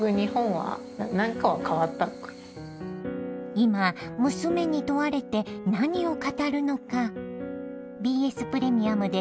今娘に問われて何を語るのか？